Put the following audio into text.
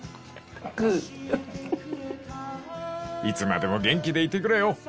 ［いつまでも元気でいてくれよ！］